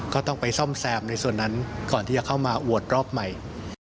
ก็ต้องไปซ่อมแซมในส่วนนั้นก่อนที่จะเข้ามาโหวตรอบใหม่